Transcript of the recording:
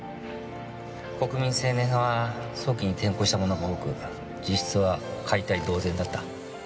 国民青年派は早期に転向した者が多く実質は解体同然だった。